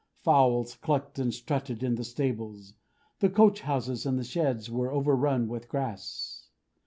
Fowls clucked and strutted in the stables; and the coach houses and sheds were overrun with grass.